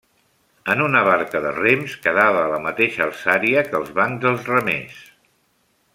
En una barca de rems quedava a la mateixa alçària que els bancs dels remers.